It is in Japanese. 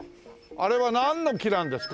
あれはなんの木なんですか？